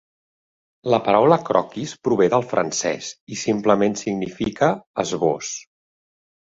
La paraula "croquis" prové del francès i simplement significa "esbós".